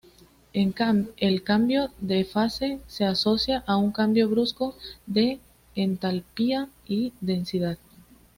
El cambio de fase se asocia a un cambio brusco de entalpía y densidad.